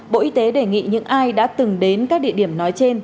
bộ y tế đề nghị những ai đã từng đến các địa điểm nói trên